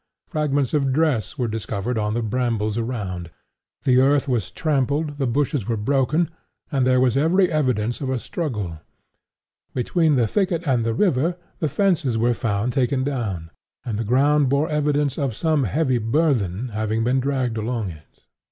Fragments of dress were discovered on the brambles around. The earth was trampled, the bushes were broken, and there was every evidence of a struggle. Between the thicket and the river, the fences were found taken down, and the ground bore evidence of some heavy burthen having been dragged along it.